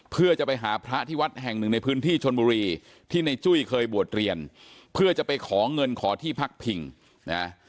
เพื่อจะไปหาพระที่วัดแห่งหนึ่งในพื้นที่ชนบุรีที่ในจุ้ยเคยบวชเรียนเพื่อจะไปขอเงินขอที่พักผิงนะ